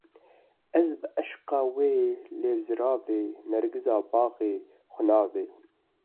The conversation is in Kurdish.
Ez bi eşqa wê lêv ziravê nêrgiza baxê xwinavê